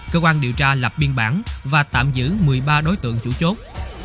cơ quan điều tra lập biên bản và tạm giữ một mươi ba đối tượng chủ chốt